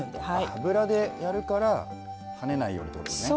油でやるから跳ねないようにってことですね。